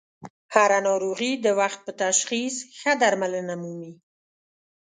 هر ه ناروغي د وخت په تشخیص ښه درملنه مومي.